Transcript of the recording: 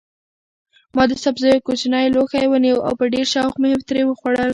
ما د سبزیو کوچنی لوښی ونیو او په ډېر شوق مې ترې وخوړل.